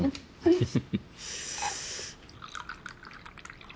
フフフ。